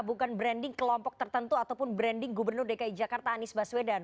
bukan branding kelompok tertentu ataupun branding gubernur dki jakarta anies baswedan